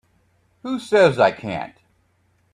Who says I can't?